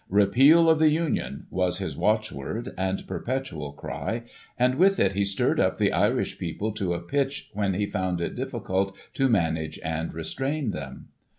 "Repeal of the Union" was his watchword and perpetual cry, and with it he stirred up the Irish people to a pitch when he found it difficult to manage and restrain them.